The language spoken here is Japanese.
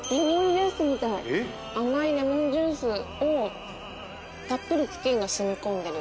甘いレモンジュースをたっぷりチキンが染み込んでる。